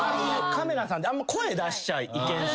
カメラさんってあんま声出しちゃいけんし。